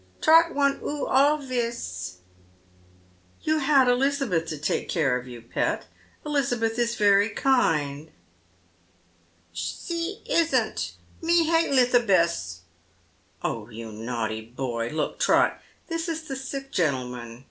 Trot want oo allvis." " You had Elizabeth to take care of you, pet Elizabeth is very kind." " See isn't. Me hate Lithabess." " Oh, you naughty boy. Look, Trot, this is the sick gentleman.